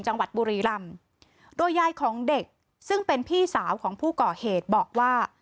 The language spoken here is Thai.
จังหวัดบุรีรำโดยยายของเด็กซึ่งเป็นพี่สาวของผู้ก่อเหตุบอกว่า